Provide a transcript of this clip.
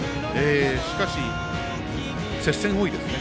しかし、接戦が多いですね。